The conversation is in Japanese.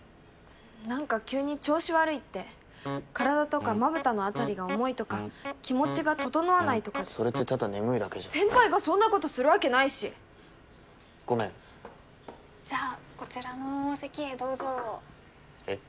なんか急に調子悪いって身体とか瞼の辺りが重いとか気持ちが整わないとかそれってただ眠いだけじゃん先輩がそんなことするわけないしごめんじゃあこちらのお席へどうぞえっ？